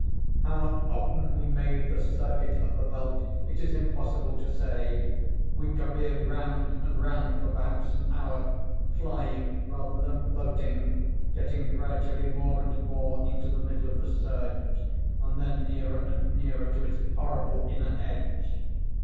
"How often we made the circuit of the belt it is impossible to say. We careered round and round for perhaps an hour, flying rather than floating, getting gradually more and more into the middle of the surge, and then nearer and nearer to its horrible inner edge.